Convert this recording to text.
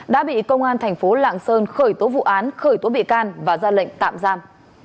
đã bị công an thành phố lạng sơn khởi tố vụ án khởi tố bị can và ra lệnh tạm giam